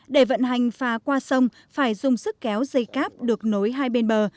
để vận hành phà qua sông phải dùng sức kéo dây cáp được nối hai bên bờ